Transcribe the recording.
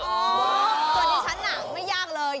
ตอนนี้ฉันหนักไม่ยากเลย